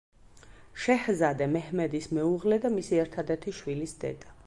შეჰზადე მეჰმედის მეუღლე და მისი ერთადერთი შვილის დედა.